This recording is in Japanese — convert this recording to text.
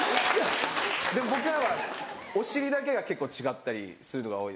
・でも僕らはお尻だけが結構違ったりするのが多い。